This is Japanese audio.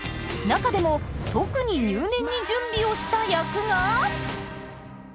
中でも特に入念に準備をした役が。